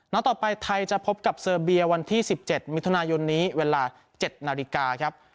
ต่อไปไทยจะพบกับเซอร์เบียวันที่๑๗มิถุนายนนี้เวลา๗นาฬิกาครับ